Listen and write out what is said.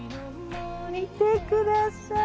見てください！